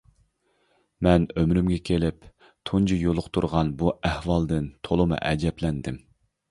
مەن ئۆمرۈمگە كېلىپ تۇنجى يولۇقتۇرغان بۇ ئەھۋالدىن تولىمۇ ئەجەبلەندىم.